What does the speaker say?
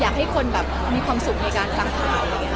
อยากให้คนแบบมีความสุขในการตั้งเท้า